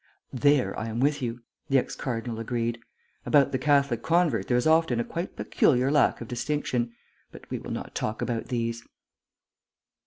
"There I am with you," the ex cardinal agreed. "About the Catholic convert there is often a quite peculiar lack of distinction.... But we will not talk about these."